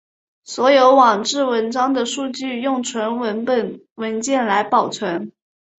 所有网志文章的数据用纯文本文件来保存。